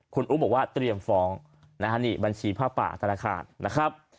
คุณอุ๊บบอกว่าเตรียมฟ้องนะฮะนี่บัญชีผ้าป่าธนาคารนะครับ